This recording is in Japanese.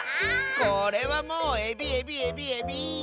これはもうエビエビエビエビ！